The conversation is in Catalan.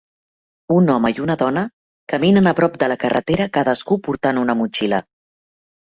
Un home i una dona caminen a prop de la carretera, cadascú portant una motxilla.